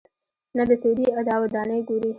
نه د سعودي دا ودانۍ ګوري.